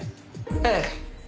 ええ。